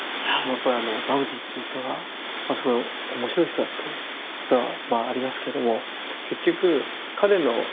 やっぱあのガウディっていう人がまあすごい面白い人だということはまあありますけども結局彼の何ていうんですかね